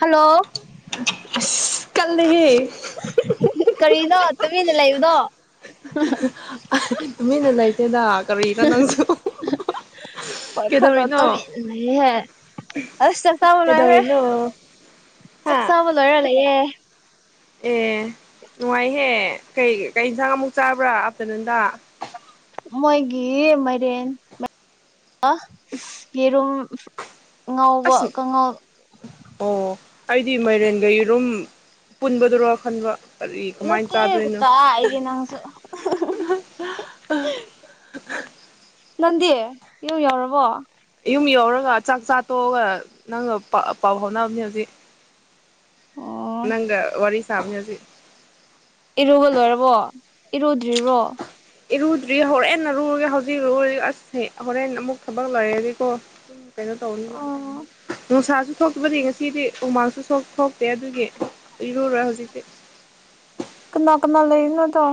hello ꯑꯁ ꯀꯜꯒꯤ ꯀꯔꯤꯅꯣ ꯇꯨꯃꯤꯟꯅ ꯂꯩꯕꯗꯣ ꯇꯨꯃꯤꯅ ꯂꯩꯇꯦꯗ ꯀꯔꯤꯅ ꯅꯪꯁꯨ ꯄꯣꯏꯈꯂꯣ ꯇꯦ ꯀꯩꯗꯧꯔꯤꯅꯣ ꯑꯁ ꯆ ꯆꯥꯕꯨꯅꯦ ꯀꯩꯗꯧꯔꯤꯅꯣ ꯆꯥꯛ ꯍꯥ ꯆꯥꯕ ꯂꯣꯏꯔ ꯂꯩꯌꯦꯦ ꯑꯦ ꯅꯨꯡꯉꯥꯏꯍꯦ ꯀꯩ ꯀꯩ ꯌꯦꯟꯁꯥꯡ ꯑꯃꯨꯛ ꯆꯥꯕ꯭ꯔꯥ ꯑꯞꯇꯅꯟꯗ ꯃꯣꯏꯒꯤ ꯃꯔꯦꯟ ꯌꯦꯔꯨꯝ ꯉꯧꯕ ꯑꯁ ꯀꯥꯡꯉꯧ ꯑꯣ ꯑꯩꯗꯤ ꯃꯥꯏꯔꯦꯟꯒꯩ ꯌꯦꯔꯨꯝ ꯄꯨꯟꯕꯗꯨꯔꯣ ꯈꯟꯕ ꯀꯔꯤ ꯀꯃꯥꯏꯅ ꯆꯥꯗꯣꯏꯅꯣ ꯃꯠꯇꯦꯒꯠꯇ ꯑꯩꯒ ꯅꯪꯁꯨ ꯅꯟꯗꯤꯦ ꯌꯨ ꯌꯥꯎꯔꯕꯣ ꯁꯨꯝ ꯌꯧꯔꯒ ꯆꯥꯛ ꯆꯥ ꯇꯣꯛꯑꯒ ꯅꯪꯒ ꯄꯥꯎ ꯐꯥꯎꯅꯕꯅꯦ ꯍꯧꯖꯤꯛ ꯑꯣ ꯅꯪꯒ ꯋꯥꯔꯤ ꯁꯥꯝꯁꯤ ꯏꯔꯨꯕ ꯂꯣꯏꯔꯕꯣ ꯏꯔꯨꯗ꯭ꯔꯤꯕ꯭ꯔꯣ ꯏꯔꯨꯗ꯭ꯔꯤ ꯍꯣꯔꯦꯟꯟꯅꯔꯨꯔꯒꯦ ꯍꯧꯖꯤꯛꯨꯔ ꯑꯁ ꯍꯣꯔꯦꯟ ꯑꯃꯨꯛ ꯊꯕꯛ ꯂꯩꯔꯦꯗꯤꯀꯣ ꯀꯩꯅꯣ ꯇꯧꯅꯤ ꯑꯣ ꯍ ꯁꯥꯁꯨ ꯊꯣꯛꯇꯕꯗꯤ ꯉꯁꯤꯗꯤ ꯎꯃꯥꯡꯁꯨ ꯊꯣꯛꯇꯦ ꯑꯗꯨꯒꯤ ꯏꯔꯨꯔꯣꯏ ꯍꯧꯖꯤꯛꯇꯤ ꯀꯅꯥ ꯀꯅꯥ ꯂꯩꯅ ꯇ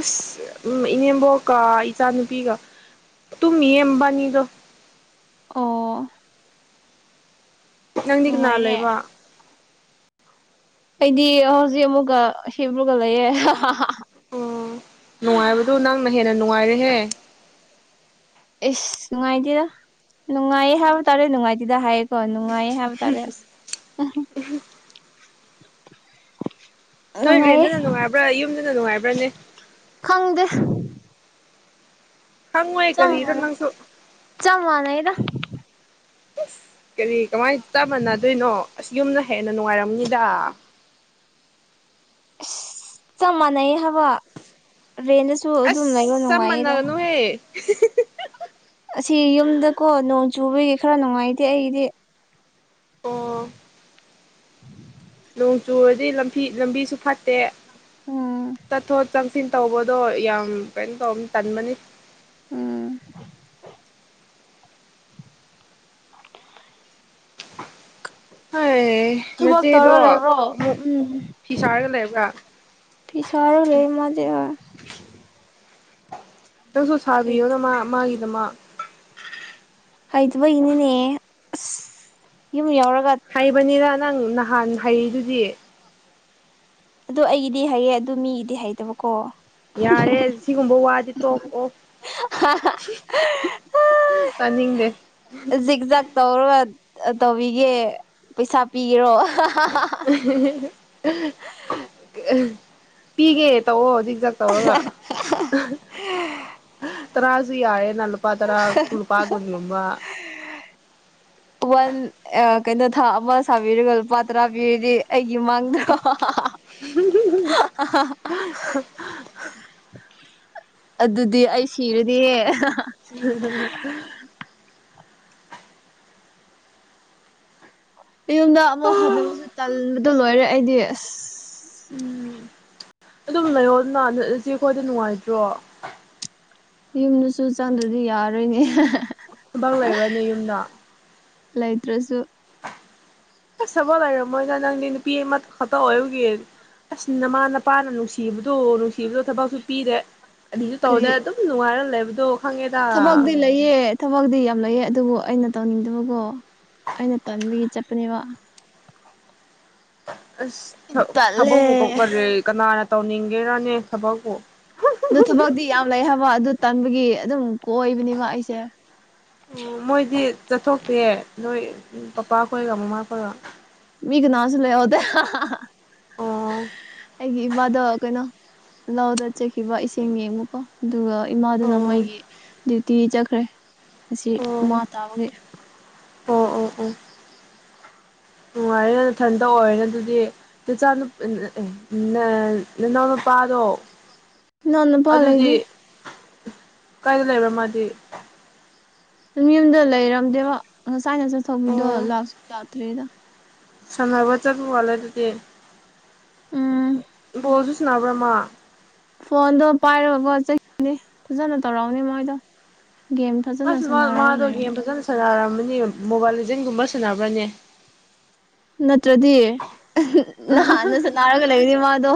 ꯑꯁ ꯎ ꯏꯅꯦꯝꯕꯣꯛꯀ ꯏꯆꯥꯅꯨꯄꯤꯒ ꯇꯨꯃꯤ ꯑꯝꯕꯥꯅꯤꯗ ꯑꯣ ꯅꯪꯗꯤ ꯀꯅꯥ ꯂꯩ ꯂꯩ ꯅꯨꯡꯉꯥꯏꯔꯦ ꯋꯥ ꯑꯩꯗꯤ ꯍꯧꯖꯤꯛ ꯑꯃꯨꯛꯀ ꯁꯤ ꯑꯃꯒ ꯂꯩꯌꯦꯦ ꯑꯣ ꯅꯨꯡꯉꯥꯏꯕꯗꯨ ꯅꯪꯅ ꯍꯦꯟꯅ ꯅꯨꯡꯉꯥꯏꯔꯦꯍꯦ ꯑꯦꯁ ꯅꯨꯡꯉꯥꯏꯇꯦꯗ ꯅꯨꯡꯉꯥꯏꯌꯦ ꯍꯥꯏꯕ ꯇꯥꯔꯦ ꯅꯨꯡꯉꯥꯏꯇꯦꯗ ꯍꯥꯏꯌꯦꯀꯣ ꯅꯨꯡꯉꯥꯏ ꯍꯥꯏꯕ ꯇꯔꯦ ꯅꯣꯏ ꯚ꯭ꯔꯦꯟꯗꯨꯅ ꯅꯨꯡꯉꯥꯏꯕ꯭ꯔꯥ ꯌꯨꯝꯗꯨꯅ ꯅꯨꯡꯉꯥꯏꯕ꯭ꯔꯥꯅꯦ ꯈꯪꯗꯦ ꯈꯪꯉꯣꯏ ꯀꯔꯤꯔ ꯆꯃꯂ ꯅꯪꯁꯨ ꯆꯃꯅ ꯏꯗ ꯑꯁ ꯀꯔꯤ ꯀꯃꯥꯏꯅ ꯇꯥꯕꯅꯗꯣꯏꯅꯣ ꯑꯁ ꯌꯨꯝꯅ ꯍꯦꯟꯅ ꯅꯨꯡꯉꯥꯏꯔꯝꯅꯤꯗ ꯆꯃꯅꯩ ꯍꯥꯕ ꯔꯦꯟꯗꯁꯨ ꯑꯁ ꯑꯗꯨꯝ ꯂꯩꯔꯣ ꯆꯞ ꯅꯨꯡꯉꯥꯏꯌꯦꯗ ꯃꯥꯟꯅꯒꯅꯨꯍꯦ [inaudible] ꯑꯁꯤ ꯌꯨꯝꯗꯀꯣ ꯅꯣꯡ ꯆꯨꯕꯒꯤ ꯈꯔ ꯅꯨꯡꯉꯥꯏꯇꯦ ꯑꯩꯗꯤ ꯑꯣ ꯅꯣꯡ ꯆꯨꯔꯗꯤ ꯂꯝꯕꯤꯁꯨ ꯐꯠꯇꯦ ꯎꯝ ꯇꯠꯊꯣꯠ ꯆꯪꯁꯤꯟ ꯇꯧꯕꯗꯣ ꯌꯥꯝ ꯀꯩꯅꯣ ꯇꯧꯕ ꯇꯟꯕꯅꯤ ꯎꯝ ꯍ ꯊꯕꯛ ꯅꯆꯦꯗꯣ ꯇꯧꯔ ꯂꯩꯕ꯭ꯔꯣ ꯑꯃꯨꯛ ꯐꯤꯁꯔꯒ ꯂꯩꯔꯕ꯭ꯔꯥ ꯄꯤꯁ ꯂꯩ ꯃꯖꯦ ꯈꯤꯇꯪꯁꯨ ꯁꯥꯕꯤꯌꯣꯅ ꯃꯥ ꯃꯥꯒꯤꯗ ꯃꯥ ꯍꯩꯗꯕꯒꯤꯅꯤꯅꯦ ꯑꯁ ꯌꯨꯝ ꯌꯥꯎꯔ ꯍꯩꯕꯅꯤꯗ ꯅꯪ ꯅꯍꯥꯟ ꯍꯩꯔꯤꯗꯨꯗꯤ ꯑꯗꯨ ꯑꯩꯒꯤꯗꯤ ꯍꯥꯏꯌꯦ ꯑꯗꯨ ꯃꯤꯒꯤꯗꯤ ꯍꯩꯇꯕꯀꯣ ꯌꯥꯔꯦ ꯁꯤꯒꯨꯝꯕ ꯋꯥꯗꯤ ꯇꯣꯛ ꯑꯣ ꯄꯅꯤꯡꯗꯦ ꯖꯤꯛ ꯖꯥꯛ ꯇꯧꯔꯒ ꯇꯧꯕꯤꯒꯦ ꯄꯩꯁꯥ ꯄꯤꯒꯦꯔꯣ ꯄꯤꯒꯦ ꯇꯑꯣꯣ ꯍꯧ ꯇꯧꯔꯒ ꯇꯔꯥꯁꯨ ꯌꯥꯔꯦꯅ ꯄꯥ ꯇꯔ ꯎ ꯄꯨꯄꯥ ꯈꯨ ꯔꯝꯕ ꯋꯥꯟ ꯀꯩꯅꯣ ꯊꯥ ꯑꯃ ꯁꯥꯕꯤꯔꯒ ꯂꯨꯄꯥ ꯇꯔꯥ ꯄꯤꯔꯤꯗꯤ ꯑꯩ ꯏꯃꯒ [inaudible] ꯑꯗꯨꯗꯤ ꯑꯩ ꯁꯤꯔꯗꯤ ꯍꯗ ꯌꯨꯝꯗ ꯑꯃꯨꯛ ꯍꯟꯅꯕꯁꯨ ꯇꯟꯕꯗ ꯂꯣꯏꯔꯦ ꯑꯩꯗꯤ ꯑꯁ ꯑꯗꯨꯝ ꯂꯩꯌꯣꯅꯠꯂꯁꯤ ꯑꯩꯈꯣꯏꯗ ꯅꯨꯡꯉꯥꯏꯇ꯭ꯔꯣ ꯌꯨꯝꯗꯁꯨ ꯆꯪꯗ꯭ꯔꯗꯤ ꯌꯥꯔꯣꯏꯅꯦ ꯕꯛ ꯂꯩꯕ꯭ꯔꯅꯦ ꯌꯨꯝꯅ ꯂꯥꯏꯗ ꯔꯣꯁꯨ [inaudible] ꯑꯦ ꯆꯕ ꯂꯥꯛꯦ ꯃꯣꯏ ꯀꯩꯅ ꯅꯨꯄꯤ ꯏꯃꯥ ꯈꯠꯇ ꯍꯒ ꯑꯁ ꯅꯃꯥ ꯅꯄꯥꯅ ꯅꯨꯡꯁꯤꯕꯗꯣ ꯅꯨꯡꯁꯤꯕꯗꯣ ꯊꯕꯛꯁꯨ ꯄꯤꯔꯦ ꯑꯗꯨꯅꯤꯁꯨ ꯇꯧꯗꯦ ꯑꯗꯨꯝ ꯅꯨꯡꯉꯥꯏꯔꯜꯂꯦꯕ ꯊꯕꯒꯗꯂ ꯌꯦꯦꯠ ꯊꯕꯛꯇꯤ ꯌꯥꯝ ꯂꯩꯌꯦ ꯑꯗꯨꯕꯨ ꯑꯩꯅ ꯇꯧꯅꯤꯡꯗꯕꯀꯣ ꯑꯩꯅ ꯇꯧꯍꯟꯕꯒꯤ ꯆꯠꯄꯅꯦꯕ ꯑꯁ ꯊ ꯇꯜꯂꯦ ꯊꯕꯔꯦ ꯀꯅꯥ ꯇꯧꯅꯤꯡꯒꯦꯔꯅꯦ ꯊꯕꯛꯄꯨ ꯑꯗꯨ ꯊꯕꯛꯇꯤ ꯌꯥꯝ ꯂꯩ ꯍꯥꯏꯕ ꯑꯗꯨ ꯇꯟꯕꯒꯤ ꯑꯗꯨꯝ ꯀꯣꯏꯕꯅꯦꯕ ꯑꯩꯁꯦ ꯑꯣ ꯃꯣꯏꯗꯤ ꯆꯠꯊꯣꯛꯇꯦꯦ ꯅꯣꯏ ꯄꯄꯥ ꯈꯣꯏꯔ ꯃꯃꯥ ꯈꯣꯏꯔ ꯃꯤ ꯀꯅꯥꯥꯟꯁꯨ ꯂꯩꯍꯗꯦ ꯑꯣ ꯑꯩꯒꯤ ꯏꯃꯗ ꯀꯩꯅꯣ ꯂꯗꯠꯆꯈꯤꯕ ꯏꯁꯤꯡ ꯌꯦꯡꯉꯨꯀ ꯑꯗꯨꯒ ꯏꯃꯥꯗꯨꯅ ꯑꯣ ꯃꯣꯏꯒꯤ ꯇꯤ ꯆꯠꯈ꯭ꯔꯦ ꯑꯁꯤ ꯑꯣ ꯃꯥ ꯇꯥꯕꯒꯤ ꯑꯣ ꯅꯨꯡꯉꯥꯏꯔꯦꯅꯦ ꯏꯊꯟꯇ ꯑꯣꯏꯔꯦꯅꯦ ꯑꯗꯨꯗꯤꯆꯥꯨ ꯅꯅꯥꯎꯅ ꯅꯨꯄꯥ ꯑꯗꯣ ꯅꯅ ꯄꯥ ꯂꯩ ꯂꯩꯗꯤ ꯀꯥꯏꯗ ꯂꯩꯕ꯭ꯔꯣ ꯃꯥꯗꯤ ꯌꯨꯝꯗ ꯂꯩꯔꯝꯗꯦꯕ ꯉꯁꯥꯏꯅ ꯆꯠꯊꯧꯕꯤꯗꯣ ꯂꯥꯛꯁꯨ ꯂꯥꯛꯇ꯭ꯔꯦꯗ ꯁꯟꯗꯔꯕ ꯆ ꯎꯝ ꯋꯥꯂꯗꯗꯤꯦꯣ ꯅꯕ꯭ꯔꯃ ꯐꯣꯟꯗꯣ ꯄꯥꯏꯔꯀꯣ ꯆꯗꯤ ꯐꯖꯅ ꯇꯧꯔꯛꯎꯅꯦ ꯃꯣꯏꯗꯣ ꯒꯦꯝ ꯐꯖꯅ ꯑꯁ ꯁꯥꯟꯅꯔꯒ ꯃꯥꯗꯣ ꯌꯦ ꯂꯩꯔꯝꯃꯤ ꯐꯖꯅ ꯁꯥꯟꯅꯔꯝꯃꯅꯤ ꯃꯣꯕꯥꯏꯜ ꯂꯤꯖꯟꯒꯨꯝꯕ ꯁꯥꯟꯅꯕ꯭ꯔꯅꯦ ꯅꯠꯇ꯭ꯔꯗꯤ ꯅꯍꯥꯟꯅꯁꯨꯅꯥꯔꯒ ꯂꯩꯗꯤ ꯃꯥꯗꯣ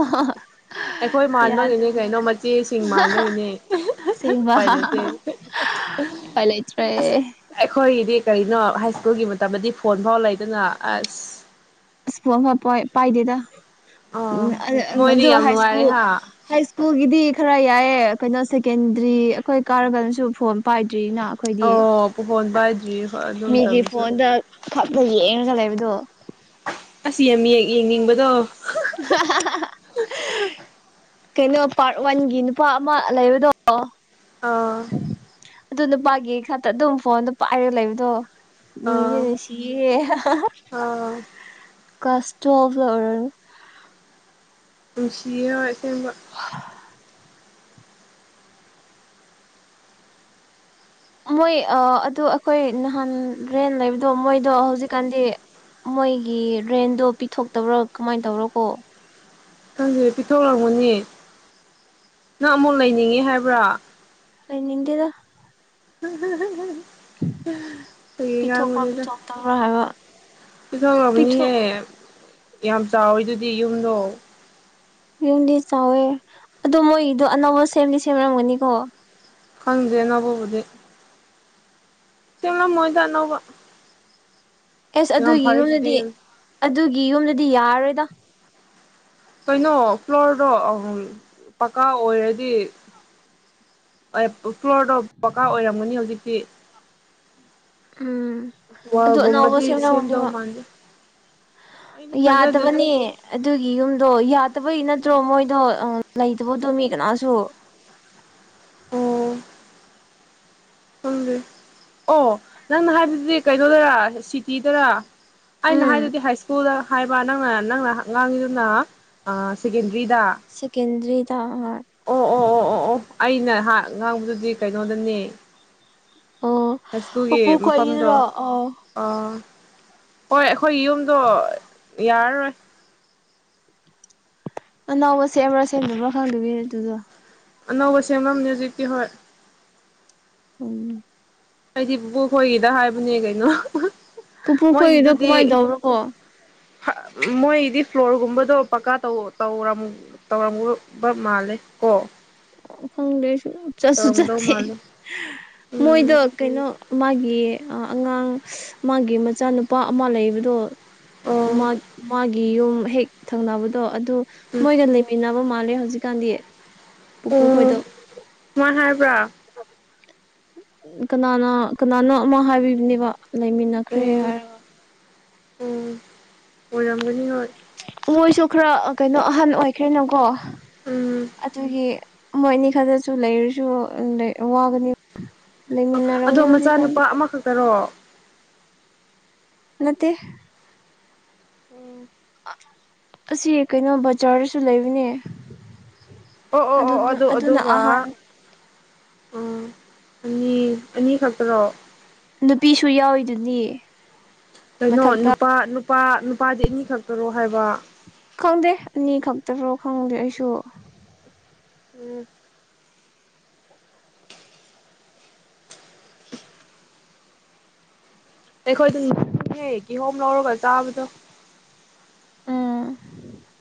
ꯑꯩꯈꯣꯏ ꯃꯥꯟꯕꯒꯤꯅꯦ ꯌꯥꯗꯕ ꯀꯩꯅꯣ ꯃꯆꯦꯁꯤꯡ ꯃꯥꯟꯕꯒꯤꯅꯦ ꯁꯤꯕꯥ ꯎꯄꯥꯏ ꯂꯩꯇꯦ ꯄ ꯂꯩꯆ꯭ꯔꯦ ꯑꯩꯈꯣꯏꯒꯤꯗꯤ ꯀꯔꯤꯅꯣ ꯍꯥꯏ ꯁ꯭ꯀꯨꯜꯒꯤ ꯃꯇꯝꯗꯗꯤ ꯐꯣꯟ ꯐꯥꯎ ꯂꯩꯗꯅ ꯑꯁ ꯑꯁꯄ ꯐ ꯄ ꯄꯥꯏꯗꯦꯗ ꯑꯣ ꯎꯝ ꯑꯗꯨ ꯃꯣꯏꯗꯤ ꯌꯥꯝ ꯍꯥꯏ ꯅꯨꯡꯉꯥꯏꯔꯦ ꯁꯀꯨꯜ ꯍꯥ ꯍꯥꯏ ꯁ꯭ꯀꯨꯜꯒꯤꯗꯤ ꯈꯔ ꯌꯥꯏꯌꯦ ꯀꯩꯅꯣ ꯁꯦꯀꯦꯟꯗ꯭ꯔꯤ ꯑꯩꯈꯣꯏ ꯀꯥꯔꯒꯜꯁꯨ ꯐꯣꯝ ꯄꯥꯏ ꯗ꯭ꯔꯤꯅ ꯑꯩꯈꯣꯏꯗꯤ ꯑꯣ ꯐꯣꯟ ꯄꯥꯏꯗ꯭ꯔꯤ ꯍꯣꯏ ꯑꯗꯨ ꯃꯤꯒꯤ ꯃꯇꯝꯗꯁꯨ ꯐꯣꯟꯗ ꯐꯞꯅ ꯌꯦꯛꯑꯅ ꯈꯠꯂꯕꯗꯣ ꯑꯁ ꯌꯥꯝ ꯌꯦꯡꯅꯤꯡꯕꯗꯣ [inaudible] ꯀꯩꯅꯣ ꯄꯥꯔꯠ ꯋꯥꯟꯒꯤ ꯅꯨꯄꯥ ꯑꯃ ꯂꯩꯕꯗꯣ ꯑꯥ ꯑꯗꯨ ꯅꯨꯄꯥꯒꯤ ꯈꯛꯇ ꯑꯗꯨꯝ ꯐꯣꯟ ꯅꯨꯄꯥ ꯍꯥꯏꯔꯒ ꯂꯩꯕꯗꯣ ꯅꯁꯨꯦ ꯑꯥ ꯅꯨꯡꯁꯤꯌꯦ ꯑꯥ ꯀꯁꯣ ꯐꯔ ꯅꯨꯡꯁꯤꯔꯣ ꯏꯦꯡꯕ ꯃꯣꯏ ꯑꯗꯨ ꯑꯩꯈꯣꯏ ꯅꯍꯥꯟ ꯔꯦꯟ ꯂꯩꯕꯗꯣ ꯃꯣꯏꯗꯣ ꯍꯧꯖꯤꯛꯀꯥꯟꯗꯤ ꯃꯣꯏꯒꯤ ꯔꯦꯟꯗꯣ ꯄꯤꯊꯣꯛꯇꯕ꯭ꯔꯣ ꯀꯃꯥꯏꯅ ꯇꯧꯕꯔꯣ ꯀꯣ ꯈꯪꯁꯦ ꯄꯤꯊꯣꯛꯂꯝꯛꯃꯨꯅꯦ ꯅꯪ ꯑꯃꯨꯛ ꯂꯩꯅꯤꯡꯉꯦ ꯍꯥꯏꯕ꯭ꯔꯥ ꯅꯤꯡꯗꯦꯗ ꯊꯒ ꯄꯤꯊꯣꯛꯄ꯭ꯔꯥ ꯃꯗꯤꯗ ꯄꯤꯊꯣꯛꯇꯕ꯭ꯔꯥ ꯍꯥꯏꯕ ꯄꯤꯊꯣꯛ ꯄꯤꯊꯣꯛꯂꯕꯅꯤꯍꯦ ꯌꯥꯝ ꯆꯥꯎꯋꯤ ꯑꯗꯨꯗꯤ ꯌꯨꯝꯗꯣ ꯌꯨꯝꯗꯤ ꯆꯥꯎꯋꯦ ꯑꯗꯣ ꯃꯣꯏꯒꯤꯗꯣ ꯑꯅꯧꯕ ꯁꯦꯝꯗꯤ ꯁꯦꯝꯔꯝꯒꯅꯤꯀꯣ ꯈꯪꯗꯦꯅꯕꯨꯕꯨꯗꯤ ꯆꯥ ꯃꯣꯏꯗꯥꯛꯅꯣꯧꯕ ꯑꯦꯁ ꯑꯗꯨꯒꯤ ꯌꯨꯝꯗꯗꯤ ꯑꯗꯨꯒꯤ ꯌꯨꯝꯗꯗꯤ ꯌꯥꯔꯔꯣꯏꯗ ꯀꯩꯅꯣ ꯐ꯭ꯂꯣꯔꯗꯣ ꯄꯀꯥ ꯑꯣꯏꯔꯗꯤ ꯐ꯭ꯂꯣꯔꯗꯣ ꯄꯀꯥꯔ ꯑꯣꯏꯔꯝꯒꯅꯤ ꯍꯧꯖꯤꯛꯇꯤ ꯎꯝ ꯑꯗꯨ ꯑꯅꯧꯕ ꯋꯥꯜꯒꯨꯝꯕꯗꯤ ꯁꯦꯝꯗꯧ ꯁꯦꯝꯅꯎꯅꯦꯕ ꯃꯥꯟꯗꯦ ꯑꯩꯗꯤ ꯊꯥꯖꯗꯦꯗ ꯌꯥꯗꯕꯅꯦ ꯑꯗꯨꯒꯤ ꯌꯨꯝꯗꯣ ꯐꯠꯇꯕꯩ ꯅꯠꯇ꯭ꯔꯣ ꯃꯣꯏꯗꯣ ꯂꯩꯇꯕ ꯇꯣꯃꯤ ꯀꯅꯥꯁꯨ ꯈꯪꯦ ꯑꯣ ꯅꯪꯅ ꯍꯥꯏꯕꯗꯨꯗꯤ ꯀꯩꯅꯣꯗꯔ ꯁꯤꯇꯤꯗꯔ ꯑꯩꯅ ꯍꯥꯏꯗꯨꯗꯤ ꯍꯥꯏ ꯁ꯭ꯀꯨꯜꯗ ꯍꯥꯏꯕ ꯅꯪꯅ ꯅꯪꯅꯉꯥꯡꯉꯤꯗꯨꯅ ꯁꯦꯗ ꯁꯀꯦꯟꯗ꯭ꯔꯔꯤꯗ ꯑꯣ ꯑꯣ ꯑꯣ ꯑꯣ ꯑꯣ ꯑꯩꯅꯍꯥꯛ ꯉꯥꯡꯕꯗꯨꯗꯤ ꯀꯩꯅꯣꯗꯅꯦ ꯑꯣ ꯍꯥꯏ ꯁ꯭ꯀꯨꯜꯒꯤ ꯄꯨꯄꯨ ꯃꯐꯝꯗꯣ ꯈꯣꯏꯒꯤꯗꯨꯔꯣ ꯑꯣ ꯑ ꯍꯣꯏ ꯑꯩꯈꯣꯏ ꯌꯨꯝꯗꯣ ꯌꯥꯔꯔꯣꯏ ꯑꯅꯧꯕ ꯁꯦꯝꯕ꯭ꯔꯥ ꯁꯦꯝꯗꯕ꯭ꯔꯥ ꯈꯪꯗꯕꯤꯅꯦ ꯑꯗꯨꯗ ꯑꯅꯧꯕ ꯁꯦꯝꯕꯅꯦ ꯍꯧꯖꯤꯛꯇꯤ ꯍꯣꯏ ꯎꯝ ꯑꯩꯗꯤ ꯄꯨꯕꯣꯛ ꯈꯣꯏꯒꯤꯗ ꯍꯥꯏꯕꯅꯦ ꯀꯩꯅꯣ ꯄꯨꯄꯨꯈꯣꯏꯒꯤꯗꯣ ꯀꯃꯥꯏꯅ ꯇꯧꯕꯅꯣ ꯀꯣ ꯃꯣꯏꯗꯤ ꯐ꯭ꯂꯣꯔꯒꯨꯝꯕꯗꯣ ꯄꯀꯥꯧꯔ ꯇꯧꯔꯝꯕ ꯃꯥꯜꯂꯦ ꯑꯣ ꯈꯪꯗ꯭ꯔꯦꯁꯨ ꯆꯠꯁꯨ ꯆꯠꯇꯦ ꯃꯥꯜꯂꯦ ꯎꯝ ꯃꯣꯏꯗ ꯀꯩꯅꯣ ꯃꯥꯒꯤ ꯑꯉꯥꯡ ꯃꯥꯒꯤ ꯃꯆꯥꯅꯨꯄꯥ ꯑꯃ ꯂꯩꯕꯗꯣ ꯑꯣ ꯃꯥꯒꯤ ꯌꯨꯝ ꯍꯦꯛ ꯊꯪꯅꯕꯗꯣ ꯑꯗꯨ ꯎꯝ ꯃꯣꯏꯒ ꯂꯩꯃꯤꯟꯅꯅꯕ ꯃꯥꯜꯂꯦ ꯍꯧꯖꯤꯛꯀꯥꯟꯗꯤ ꯄꯨꯄꯨ ꯈꯣꯏꯗꯣ ꯍ ꯍꯥꯏꯕ꯭ꯔꯥ ꯀꯅꯥꯅ ꯀꯅꯥꯅꯣ ꯑꯃ ꯍꯥꯏꯕꯤꯕꯅꯦꯕ ꯂꯩꯃꯤꯟꯅꯈ꯭ꯔꯦ ꯍꯥꯏꯔꯒ ꯑꯣ ꯑꯣꯏꯔꯝꯒꯅꯤ ꯍꯣꯏ ꯃꯣꯏꯁꯨ ꯈꯔ ꯀꯩꯅꯣ ꯑꯍꯟ ꯑꯣꯏꯈ꯭ꯔꯦꯅꯀꯣ ꯎꯝ ꯑꯗꯨꯒꯤ ꯃꯣꯏ ꯑꯅꯤ ꯈꯗꯁꯨ ꯂꯩꯔꯁꯨ ꯋꯥꯒꯅꯤ ꯂꯩꯃꯤꯟꯅꯔꯥꯎꯅꯤ ꯑꯗꯣ ꯍꯧꯖꯤꯛ ꯀ ꯃꯆꯥꯅꯨꯄꯥ ꯑꯃꯈꯛꯇꯔꯣ ꯅꯇ ꯎꯝ ꯑꯁꯤ ꯀꯩꯅꯣ ꯕꯖꯥꯔꯗꯁꯨ ꯂꯩꯕꯅꯦ ꯑꯣ ꯑꯣ ꯑꯣ ꯑꯗꯨꯅ ꯑꯗꯨ ꯑꯗꯨꯅ ꯑꯗꯨꯒ ꯑꯍꯥꯟ ꯑꯣ ꯑꯅꯤ ꯑꯅꯤ ꯈꯛꯇ꯭ꯔꯣ ꯅꯨꯄꯤꯁꯨ ꯌꯥꯎꯋꯔꯤꯗꯨꯅꯤ ꯀꯩꯅꯣ ꯅꯨꯄꯥ ꯅꯨꯄꯥ ꯅꯨꯄꯥꯗꯤ ꯑꯅꯤ ꯈꯛꯇꯔꯣ ꯍꯥꯏꯕ ꯈꯪꯗꯦ ꯑꯅꯤ ꯈꯛꯇꯔꯣ ꯈꯪꯗꯦ ꯑꯩꯁꯨ ꯎꯝ ꯑꯩꯈꯣꯏꯗ ꯍꯦꯛ ꯍꯦꯛ ꯀꯤꯍꯣꯝ ꯂꯧꯔꯒ ꯆꯥꯕꯗꯣ ꯑꯥ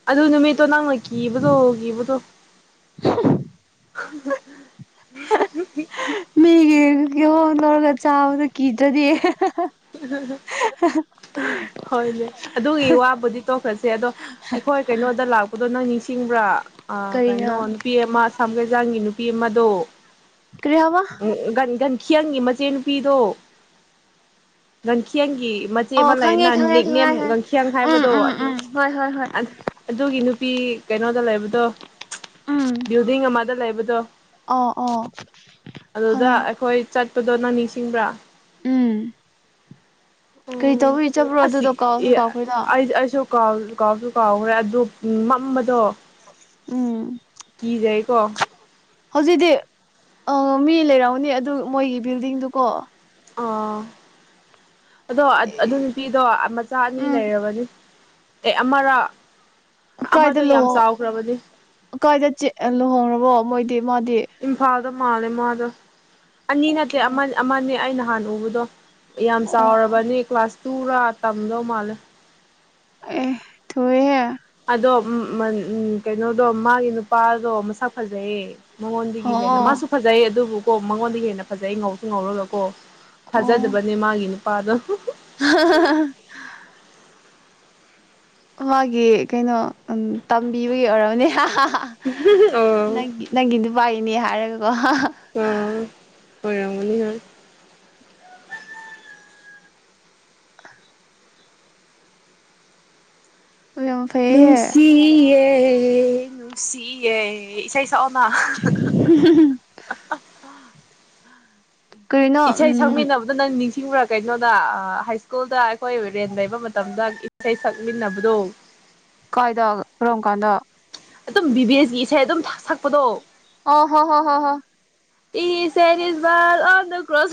ꯑꯗꯨ ꯅꯨꯃꯤꯠꯇꯣ ꯅꯪꯅ ꯀꯤꯕꯗꯣ ꯀꯤꯕꯗꯣ [inaudible] ꯃꯤꯒꯤ ꯀꯍꯣꯡ ꯇꯧꯔꯒ ꯆꯥꯕꯗ ꯀꯤꯗ꯭ꯔꯗꯤ ꯎ ꯎꯝ ꯍꯣꯏꯅꯦ ꯑꯗꯨꯒꯤ ꯋꯥꯕꯨꯗꯤ ꯇꯣꯛꯈꯁꯦ ꯑꯗꯣ ꯑꯩꯈꯣꯏ ꯀꯩꯅꯣꯗ ꯂꯥꯛꯄꯗꯣ ꯅꯪ ꯆꯤꯡꯕ꯭ꯔꯥ ꯀꯔꯤꯅꯣ ꯀꯩꯅꯣ ꯅꯨꯄꯤ ꯑꯃ ꯑꯁꯥꯝ ꯀꯩꯖꯥꯡꯒꯤ ꯅꯨꯄꯤ ꯑꯃꯗꯣ ꯀꯔꯤ ꯍꯥꯏꯕ ꯎꯝ ꯒꯟꯈꯤꯌꯪꯒꯤ ꯃꯆꯦ ꯅꯨꯨꯄꯤꯗꯣ ꯅꯟꯈꯤꯌꯥꯪꯒꯤꯤ ꯃꯆꯦ ꯑꯣ ꯑꯃ ꯈꯪꯉꯦ ꯂꯩꯌꯦꯅ ꯈꯪꯉꯦ ꯅꯤꯛꯅꯦꯝ ꯈꯪꯉꯦ ꯈꯪꯉꯦ ꯒꯪꯈꯡ ꯎꯝ ꯍꯥꯏꯕꯗꯣ ꯎꯝ ꯑꯗꯨ ꯎꯝ ꯍꯣꯏ ꯍꯣꯏ ꯍꯣꯏ ꯑꯗꯨꯒꯤ ꯅꯨꯄꯤ ꯀꯩꯅꯣꯗ ꯂꯩꯕꯗꯣ ꯕꯤꯜꯗꯤꯡ ꯑꯃꯗ ꯂꯩꯕꯗꯣ ꯑ ꯑꯣ ꯈꯉꯦ ꯇꯗꯣꯅ ꯅꯤꯡꯁꯤꯡꯕ꯭ꯔꯥ ꯎꯝ ꯀꯔꯤ ꯎꯝ ꯇꯧꯕꯒꯤ ꯆꯠꯄ꯭ꯔꯣ ꯑꯁꯤ ꯑꯗꯨꯗꯣ ꯀꯥꯎꯁꯨ ꯀꯥꯎꯈ꯭ꯔꯦꯗ ꯑꯦ ꯑꯁꯨ ꯀꯥ ꯀꯥ ꯀꯥꯎꯈ꯭ꯔꯦ ꯑꯗꯨꯗꯣ ꯃꯝꯕꯗꯣ ꯎꯝ ꯀ ꯌꯥꯥꯏꯀꯣ ꯍꯧꯖꯤꯛꯇꯤ ꯑ ꯃꯤ ꯂꯩꯔꯝꯅꯤ ꯑꯗꯨ ꯃꯣꯏꯒꯤ ꯕꯤꯜꯗꯤꯡꯗꯨꯀꯣ ꯑꯣ ꯑꯗꯣ ꯑꯗꯨ ꯅꯨꯄꯤꯗꯣ ꯃꯆꯥ ꯑꯅꯤ ꯎꯝ ꯂꯩꯔꯕꯅꯤ ꯑꯦ ꯑꯃꯔ ꯀ ꯀꯥꯏꯗ ꯑꯃꯗꯣ ꯌꯥꯝ ꯂꯨꯍꯣꯡ ꯆꯥꯎꯈ꯭ꯔꯕꯅꯤ ꯀ ꯀꯥꯏꯗ ꯂꯨꯍꯧꯔꯕꯣ ꯃꯣꯏꯗꯤ ꯃ ꯑ ꯃꯥꯜꯂꯦ ꯃꯥꯗꯣ ꯑꯅꯤ ꯅꯠꯇꯦ ꯑꯣ ꯑꯃꯅꯦ ꯑꯩ ꯅꯍꯥꯟ ꯎꯕꯗꯣ ꯌꯥꯝ ꯑꯣ ꯆꯥꯎꯔꯕꯅꯤ ꯀ꯭ꯂꯥꯁ ꯇꯨꯔꯥ ꯇꯝꯗꯧ ꯃꯥꯜꯂꯦ ꯑꯦ ꯊꯣꯏꯍꯦ ꯑꯗꯣ ꯀꯩꯅꯣꯗꯣ ꯃꯥꯒꯤ ꯅꯨꯄꯥꯗꯣ ꯃꯁꯥ ꯐꯖꯩꯌꯦ ꯃꯉꯣꯟꯗꯒꯤ ꯍꯦꯟꯅ ꯑꯣ ꯃꯥꯁꯨ ꯐꯖꯩ ꯑꯗꯨꯕꯨꯀꯣ ꯃꯉꯣꯟꯗꯒꯤ ꯍꯦꯟꯅ ꯐꯖꯩ ꯉꯧꯁꯨ ꯉꯧꯔꯒ ꯀꯣ ꯑꯣ ꯐꯥꯖꯗꯕꯅꯦ ꯃꯥꯒꯤ ꯅꯨꯄꯥꯗꯣ [inaudible] ꯃꯥꯒꯤ ꯀꯩꯅꯣ ꯇꯝꯕꯤꯕꯒꯤ ꯑꯣꯏꯔꯔꯕꯅꯦ ꯑꯣ ꯪ ꯅꯪꯒꯤꯗꯨ ꯄꯥꯏꯔꯤꯅꯦ ꯍꯥꯏꯔꯒꯀꯣ ꯍꯣꯏꯔꯃꯅꯤ ꯍꯥꯏ ꯌꯥꯝ ꯐꯩꯌꯦ ꯅꯨꯡꯁꯤ ꯂꯅꯨꯡꯁꯤ ꯑꯦ ꯏꯁꯩ ꯁꯛꯑꯣꯅ ꯀꯔꯤꯅꯣ ꯏꯁꯩ ꯎꯝ ꯁꯛꯃꯤꯟꯅꯕꯗ ꯅ ꯅꯤꯡ ꯑꯤꯡꯕ꯭ꯔꯥ ꯀꯩꯅꯣꯗ ꯍꯥꯏ ꯁ꯭ꯀꯨꯜꯗ ꯑꯩꯈꯣꯏ ꯔꯦꯟ ꯂꯩꯕ ꯃꯇꯝꯗ ꯏꯁꯩ ꯁꯛꯃꯤꯟꯅꯕꯗꯣ ꯀꯥꯏꯗ ꯔꯣꯝ ꯀꯥꯟꯗ ꯑꯗꯨꯝ ꯕꯤꯕꯦꯁꯀꯤ ꯏꯁꯩ ꯑꯗꯨꯝ ꯁꯛꯄꯗꯣ ꯑꯣ ꯍꯣ ꯍꯣ ꯍꯣ ꯍꯣ ꯏ ꯁꯦꯔꯤ ꯀ꯭ꯔꯣ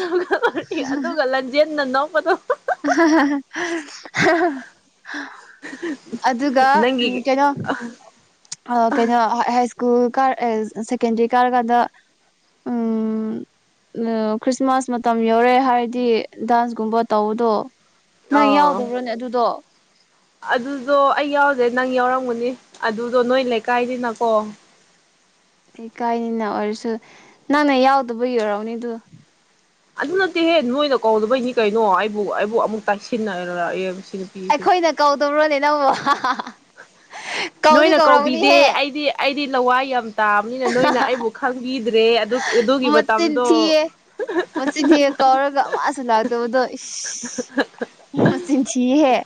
ꯑꯗꯨꯒ ꯂꯖꯦ ꯅ ꯅꯃꯗꯨ [inaudible] ꯑꯗꯨꯒ ꯎꯝ ꯅꯪꯒꯤ ꯀꯩꯅꯣ ꯀꯩꯅꯣ ꯍꯥꯏ ꯁ꯭ꯀꯨꯜ ꯀꯥꯔ ꯁꯦꯀꯦꯟꯗꯔꯤ ꯀꯥꯔꯀꯥꯟꯗ ꯎꯝ ꯎ ꯈ꯭ꯔꯤꯁꯃꯥꯁ ꯃꯇꯝ ꯌꯧꯔꯦ ꯍꯥꯏꯔꯗꯤ ꯗꯥꯟꯁꯀꯨꯝꯕ ꯇꯧꯕꯗꯣ ꯅꯪ ꯑꯣ ꯌꯥꯎꯗꯕ꯭ꯔꯣꯅꯦ ꯑꯗꯨꯗꯣ ꯑꯗꯨꯗꯣ ꯑꯩ ꯌꯥꯎꯔꯗꯦ ꯅꯪ ꯌꯥꯎꯔꯝꯒꯅꯤ ꯑꯗꯨꯗꯣ ꯅꯣꯏ ꯂꯩꯀꯥꯏꯅꯤꯅꯀꯣ ꯏ ꯀꯥꯏꯅꯤꯅ ꯑꯣꯏꯔꯁꯨ ꯅꯪꯅ ꯌꯥꯎꯗꯕ ꯌꯔꯎꯅꯤꯗ ꯑꯗꯨ ꯅꯠꯇꯦꯍꯦ ꯅꯣꯏꯅ ꯀꯧꯗꯕꯩꯅꯤ ꯀꯩꯅꯣ ꯑꯩꯕꯨ ꯑꯩꯕꯨ ꯑꯃꯨꯛ ꯇꯥꯏꯁꯤꯟꯅꯔꯛꯑꯦ ꯅꯨꯄꯤꯁꯦ ꯑꯩꯈꯣꯏꯅ ꯀꯧꯗꯕ꯭ꯔꯣꯅꯦ ꯅꯪ ꯅꯣꯏꯅ ꯀꯧꯕꯤꯗꯦ ꯑꯩꯗꯤ ꯑꯩꯗꯤ ꯂꯋꯥ ꯌꯥꯝ ꯇꯥꯕꯅꯤꯅ ꯅꯣꯏꯅ ꯑꯩꯕꯨ ꯈꯪꯕꯤꯗ꯭ꯔꯦ ꯑꯗꯨꯒꯤ ꯃꯆꯤꯟ ꯃꯇꯝꯗꯣ ꯊꯤꯌꯦ ꯃꯆꯤꯟ ꯍꯦꯛ ꯀꯧꯔꯒ ꯃꯥꯁꯨ ꯂꯥꯛꯇꯕꯗꯣ ꯏ ꯃꯁꯤꯍꯦ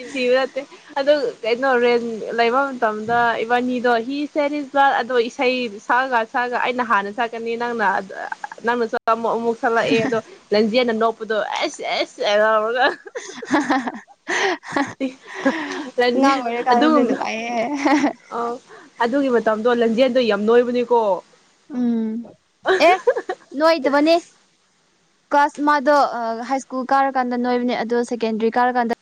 ꯏ ꯏꯕ꯭ꯔꯠꯇꯦ ꯑꯗꯨ ꯀꯩꯅꯣ ꯔꯦꯟ ꯂꯩꯕ ꯃꯇꯝꯗ ꯏꯕꯥꯅꯤꯗꯣ ꯁꯔꯤ ꯑꯗꯣ ꯏꯁꯩ ꯁꯛꯑꯒ ꯁꯛꯒ ꯑꯩꯅ ꯍꯥꯟꯅ ꯁꯛꯀꯅꯤ ꯅꯪꯅ ꯅꯪꯅ ꯑꯃꯨꯛ ꯑꯃꯨꯛ ꯁꯠꯂꯛꯑꯦ ꯑꯗꯣ ꯂꯟꯖꯦꯜꯅ ꯅꯣꯛꯞꯄꯗꯣ ꯑꯁ ꯑꯁ ꯌꯥꯥꯎꯔꯒ [inaudible] ꯑꯉꯥꯡ ꯑꯣꯏꯔꯤꯀꯥꯟꯗꯗꯤ ꯑꯗꯨꯒ ꯅꯨꯡꯉꯥꯏꯌꯦ ꯑ ꯑꯗꯨꯒꯤ ꯃꯇꯝ ꯑꯗꯣ ꯂꯪꯖꯦꯜꯗꯣ ꯌꯥꯝ ꯅꯣꯏꯕꯅꯤꯀꯣ ꯎꯝ ꯑꯦ ꯅꯣꯏꯗꯕꯅꯦ ꯀ꯭ꯂꯥꯁ ꯃꯥꯗꯣ ꯍꯥꯏ ꯁ꯭ꯀꯨꯜ ꯀꯥꯔꯀꯥꯟꯗ ꯅꯣꯏꯕꯅꯦ ꯑꯣ ꯁꯦꯀꯦꯟꯗꯔꯤ ꯀꯥꯔꯀꯥꯟꯗ